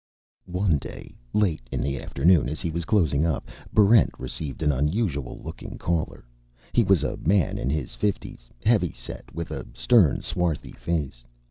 One day, late in the afternoon as he was closing up, Barrent received an unusual looking caller. He was a man in his fifties, heavy set, with a stern, swarthy face.